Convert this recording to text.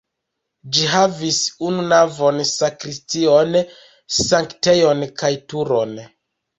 Ĝi havis unu navon, sakristion, sanktejon kaj turon.